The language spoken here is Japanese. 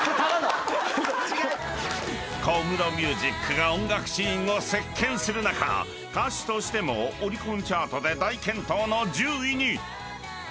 ［小室ミュージックが音楽シーンを席巻する中歌手としてもオリコンチャートで大健闘の１０位に！］